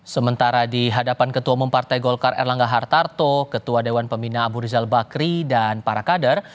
sementara di hadapan ketua umum partai golkar erlangga hartarto ketua dewan pembina abu rizal bakri dan para kader